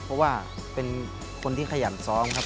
เพราะว่าเป็นคนที่ขยันซ้อมครับ